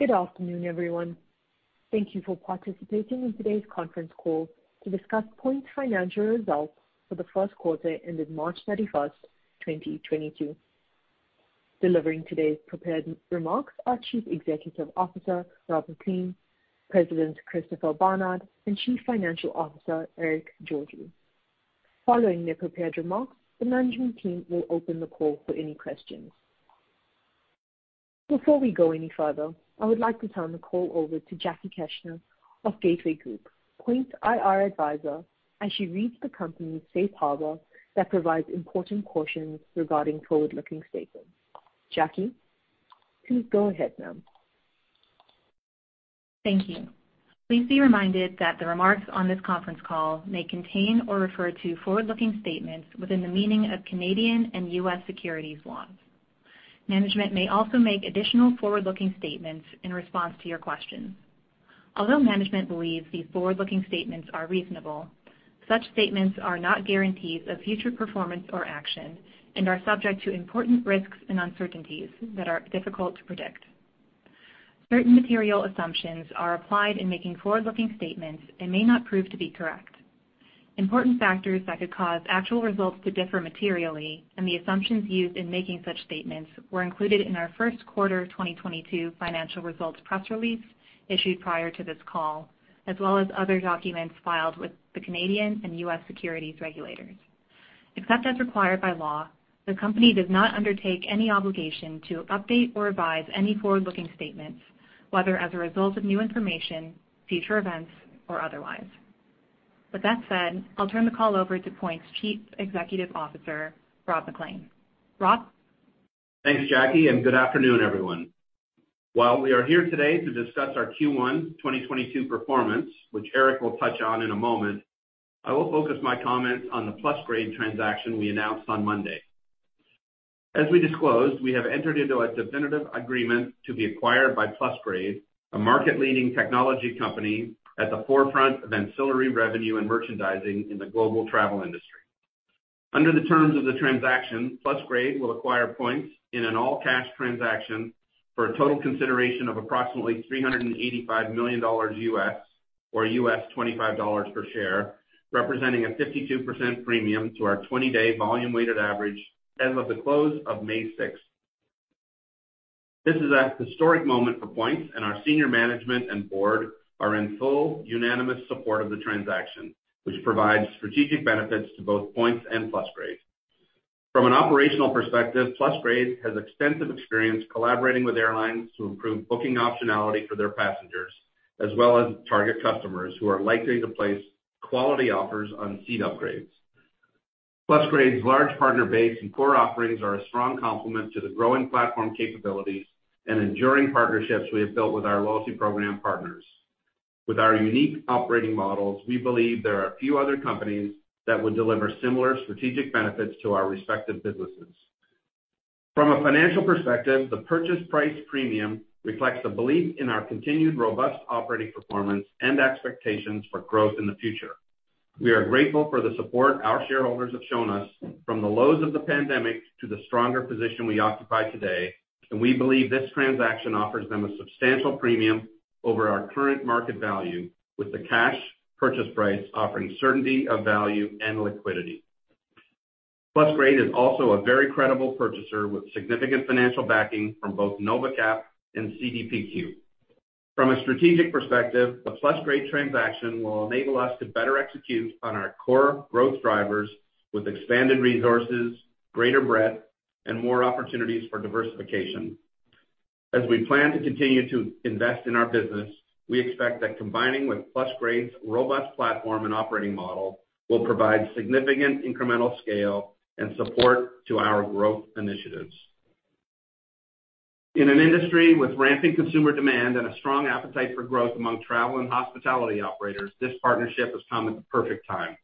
Good afternoon, everyone. Thank you for participating in today's conference call to discuss Points' Financial Results for the First Quarter ended March 31, 2022. Delivering today's prepared remarks are Chief Executive Officer, Rob MacLean, President, Christopher Barnard, and Chief Financial Officer, Erick Georgiou. Following their prepared remarks, the management team will open the call for any questions. Before we go any further, I would like to turn the call over to Jackie Keshner of Gateway Group, Points' IR advisor, as she reads the company's safe harbor that provides important cautions regarding forward-looking statements. Jackie, please go ahead, ma'am. Thank you. Please be reminded that the remarks on this conference call may contain or refer to forward-looking statements within the meaning of Canadian and U.S. securities laws. Management may also make additional forward-looking statements in response to your questions. Although management believes these forward-looking statements are reasonable, such statements are not guarantees of future performance or action and are subject to important risks and uncertainties that are difficult to predict. Certain material assumptions are applied in making forward-looking statements and may not prove to be correct. Important factors that could cause actual results to differ materially and the assumptions used in making such statements were included in our first quarter 2022 financial results press release issued prior to this call, as well as other documents filed with the Canadian and U.S. securities regulators. Except as required by law, the company does not undertake any obligation to update or revise any forward-looking statements, whether as a result of new information, future events, or otherwise. With that said, I'll turn the call over to Points' Chief Executive Officer, Rob MacLean. Rob? Thanks, Jackie, and good afternoon, everyone. While we are here today to discuss our Q1 2022 performance, which Erick will touch on in a moment, I will focus my comments on the Plusgrade transaction we announced on Monday. As we disclosed, we have entered into a definitive agreement to be acquired by Plusgrade, a market-leading technology company at the forefront of ancillary revenue and merchandising in the global travel industry. Under the terms of the transaction, Plusgrade will acquire Points in an all-cash transaction for a total consideration of approximately $385 million, or $25 per share, representing a 52% premium to our 20-day volume weighted average as of the close of May 6th. This is a historic moment for Points, and our senior management and board are in full unanimous support of the transaction, which provides strategic benefits to both Points and Plusgrade. From an operational perspective, Plusgrade has extensive experience collaborating with airlines to improve booking optionality for their passengers, as well as target customers who are likely to place quality offers on seat upgrades. Plusgrade's large partner base and core offerings are a strong complement to the growing platform capabilities and enduring partnerships we have built with our loyalty program partners. With our unique operating models, we believe there are a few other companies that would deliver similar strategic benefits to our respective businesses. From a financial perspective, the purchase price premium reflects the belief in our continued robust operating performance and expectations for growth in the future. We are grateful for the support our shareholders have shown us from the lows of the pandemic to the stronger position we occupy today, and we believe this transaction offers them a substantial premium over our current market value, with the cash purchase price offering certainty of value and liquidity. Plusgrade is also a very credible purchaser with significant financial backing from both Novacap and CDPQ. From a strategic perspective, the Plusgrade transaction will enable us to better execute on our core growth drivers with expanded resources, greater breadth, and more opportunities for diversification. As we plan to continue to invest in our business, we expect that combining with Plusgrade's robust platform and operating model will provide significant incremental scale and support to our growth initiatives. In an industry with rampant consumer demand and a strong appetite for growth among travel and hospitality operators, this partnership has come at the perfect time.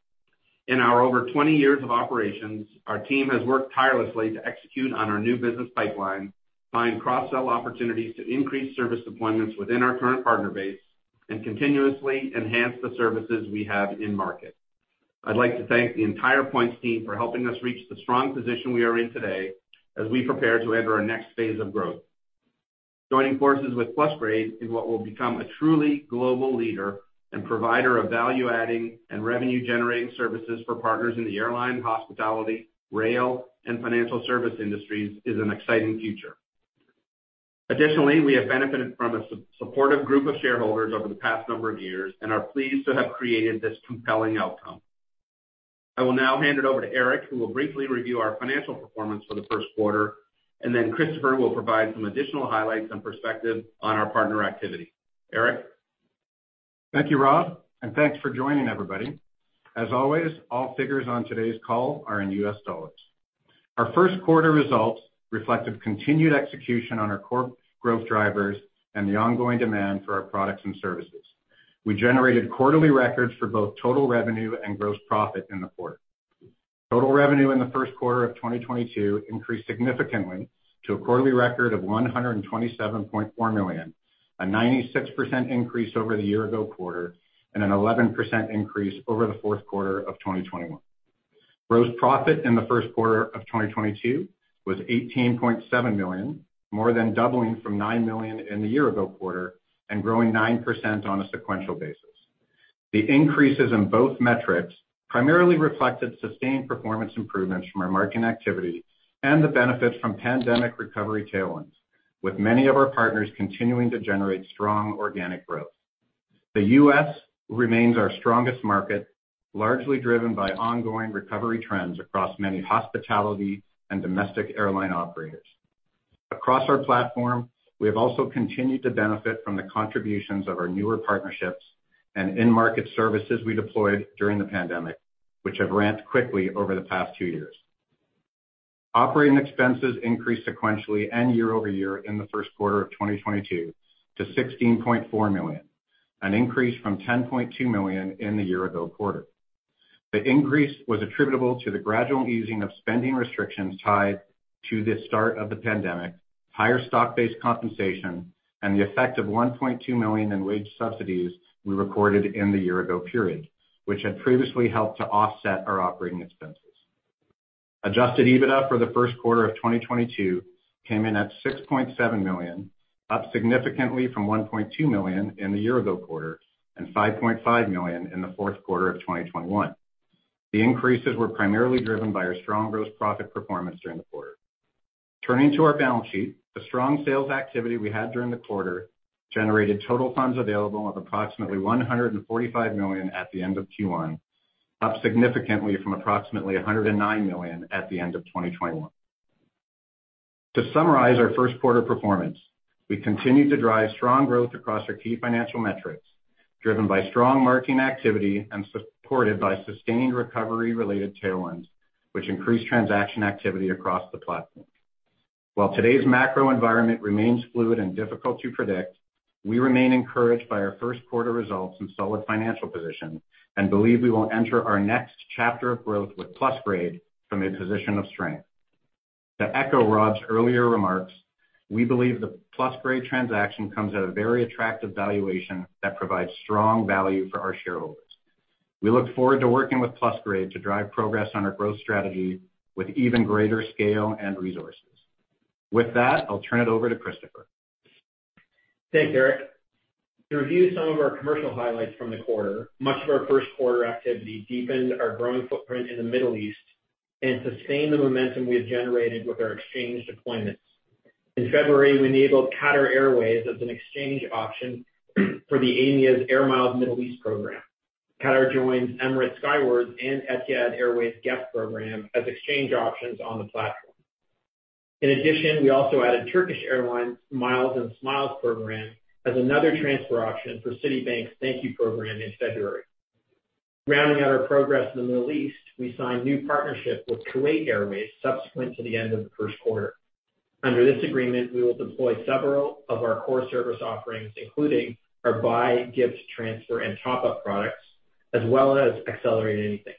In our over 20 years of operations, our team has worked tirelessly to execute on our new business pipeline, find cross-sell opportunities to increase service deployments within our current partner base, and continuously enhance the services we have in market. I'd like to thank the entire Points team for helping us reach the strong position we are in today as we prepare to enter our next phase of growth. Joining forces with Plusgrade in what will become a truly global leader and provider of value-adding and revenue-generating services for partners in the airline, hospitality, rail, and financial service industries is an exciting future. Additionally, we have benefited from a super-supportive group of shareholders over the past number of years and are pleased to have created this compelling outcome. I will now hand it over to Erick, who will briefly review our financial performance for the first quarter, and then Christopher will provide some additional highlights and perspective on our partner activity. Erick? Thank you, Rob, and thanks for joining, everybody. As always, all figures on today's call are in U.S. dollars. Our first quarter results reflected continued execution on our core growth drivers and the ongoing demand for our products and services. We generated quarterly records for both total revenue and gross profit in the quarter. Total revenue in the first quarter of 2022 increased significantly to a quarterly record of $127.4 million, a 96% increase over the year ago quarter and an 11% increase over the fourth quarter of 2021. Gross profit in the first quarter of 2022 was $18.7 million, more than doubling from $9 million in the year ago quarter and growing 9% on a sequential basis. The increases in both metrics primarily reflected sustained performance improvements from our marketing activity and the benefits from pandemic recovery tailwinds, with many of our partners continuing to generate strong organic growth. The U.S. remains our strongest market, largely driven by ongoing recovery trends across many hospitality and domestic airline operators. Across our platform, we have also continued to benefit from the contributions of our newer partnerships and in-market services we deployed during the pandemic, which have ramped quickly over the past two years. Operating expenses increased sequentially and year-over-year in the first quarter of 2022 to $16.4 million, an increase from $10.2 million in the year-ago quarter. The increase was attributable to the gradual easing of spending restrictions tied to the start of the pandemic, higher share-based compensation, and the effect of $1.2 million in wage subsidies we recorded in the year ago period, which had previously helped to offset our operating expenses. Adjusted EBITDA for the first quarter of 2022 came in at $6.7 million, up significantly from $1.2 million in the year ago quarter and $5.5 million in the fourth quarter of 2021. The increases were primarily driven by our strong gross profit performance during the quarter. Turning to our balance sheet, the strong sales activity we had during the quarter generated total funds available of approximately $145 million at the end of Q1, up significantly from approximately $109 million at the end of 2021. To summarize our first quarter performance, we continued to drive strong growth across our key financial metrics, driven by strong marketing activity and supported by sustained recovery-related tailwinds, which increased transaction activity across the platform. While today's macro environment remains fluid and difficult to predict, we remain encouraged by our first quarter results and solid financial position, and believe we will enter our next chapter of growth with Plusgrade from a position of strength. To echo Rob's earlier remarks, we believe the Plusgrade transaction comes at a very attractive valuation that provides strong value for our shareholders. We look forward to working with Plusgrade to drive progress on our growth strategy with even greater scale and resources. With that, I'll turn it over to Christopher. Thanks, Erick. To review some of our commercial highlights from the quarter, much of our first quarter activity deepened our growing footprint in the Middle East and sustained the momentum we have generated with our exchange deployments. In February, we enabled Qatar Airways as an exchange option for the Aimia's Air Miles Middle East program. Qatar joins Emirates Skywards and Etihad Guest program as exchange options on the platform. In addition, we also added Turkish Airlines' Miles&Smiles program as another transfer option for Citibank's ThankYou program in February. Rounding out our progress in the Middle East, we signed new partnership with Kuwait Airways subsequent to the end of the first quarter. Under this agreement, we will deploy several of our core service offerings, including our buy, gift, transfer, and top-up products, as well as Accelerate Anything.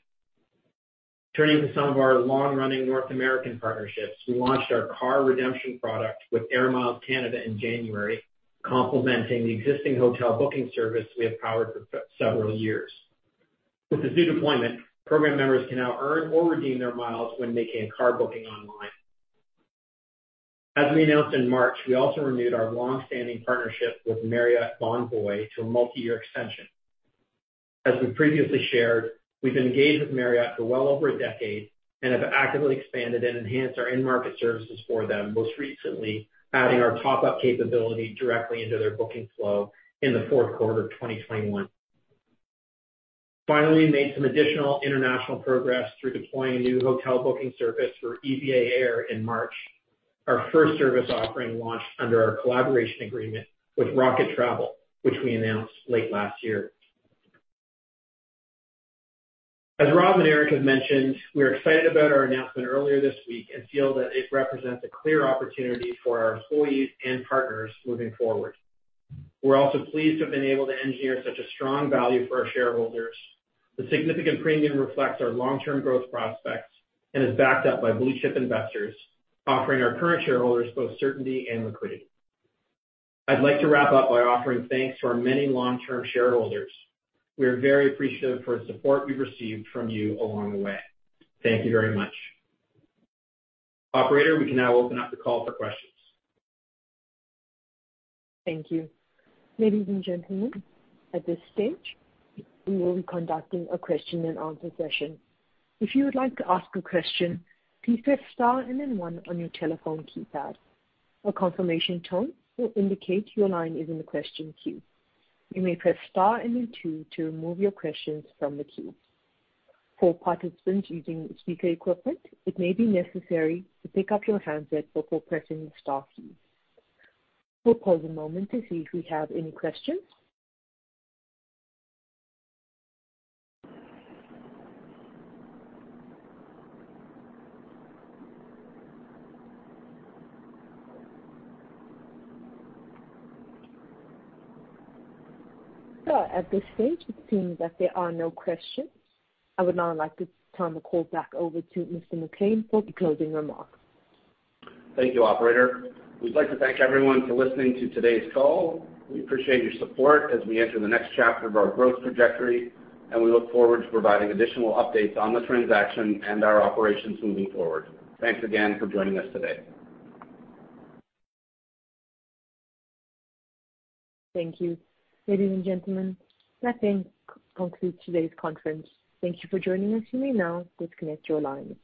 Turning to some of our long-running North American partnerships, we launched our car redemption product with AIR MILES Canada in January, complementing the existing hotel booking service we have powered for several years. With this new deployment, program members can now earn or redeem their miles when making a car booking online. As we announced in March, we also renewed our long-standing partnership with Marriott Bonvoy to a multi-year extension. As we previously shared, we've engaged with Marriott for well over a decade and have actively expanded and enhanced our in-market services for them, most recently adding our top-up capability directly into their booking flow in the fourth quarter of 2021. Finally, we made some additional international progress through deploying a new hotel booking service for EVA Air in March, our first service offering launched under our collaboration agreement with Rocket Travel, which we announced late last year. As Rob and Eric have mentioned, we're excited about our announcement earlier this week and feel that it represents a clear opportunity for our employees and partners moving forward. We're also pleased to have been able to engineer such a strong value for our shareholders. The significant premium reflects our long-term growth prospects and is backed up by blue-chip investors, offering our current shareholders both certainty and liquidity. I'd like to wrap up by offering thanks to our many long-term shareholders. We are very appreciative for the support we've received from you along the way. Thank you very much. Operator, we can now open up the call for questions. Thank you. Ladies and gentlemen, at this stage, we will be conducting a question and answer session. If you would like to ask a question, please press star and then one on your telephone keypad. A confirmation tone will indicate your line is in the question queue. You may press star and then two to remove your questions from the queue. For participants using speaker equipment, it may be necessary to pick up your handset before pressing the star key. We'll pause a moment to see if we have any questions. At this stage, it seems that there are no questions. I would now like to turn the call back over to Mr. MacLean for the closing remarks. Thank you, Operator. We'd like to thank everyone for listening to today's call. We appreciate your support as we enter the next chapter of our growth trajectory, and we look forward to providing additional updates on the transaction and our operations moving forward. Thanks again for joining us today. Thank you. Ladies and gentlemen, that then concludes today's conference. Thank you for joining us. You may now disconnect your line.